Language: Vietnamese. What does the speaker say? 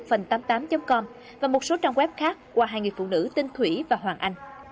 phần tám mươi tám com và một số trang web khác qua hai người phụ nữ tên thủy và hoàng anh